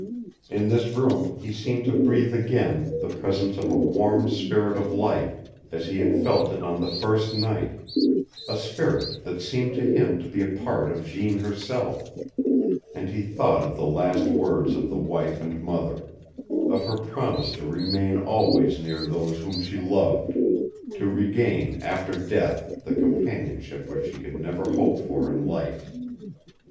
In this room he seemed to breathe again the presence of a warm spirit of life, as he had felt it on the first night a spirit that seemed to him to be a part of Jeanne herself, and he thought of the last words of the wife and mother of her promise to remain always near those whom she loved, to regain after death the companionship which she could never hope for in life.